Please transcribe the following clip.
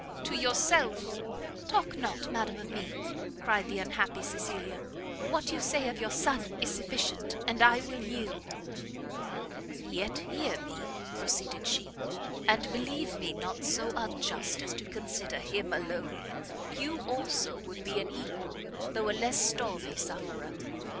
To yourself " "Talk not, madam, of me," cried the unhappy Cecilia, "what you say of your son is sufficient, and I will yield " "Yet hear me," proceeded she, "and believe me not so unjust as to consider him alone; you, also, would be an equal, though a less stormy sufferer.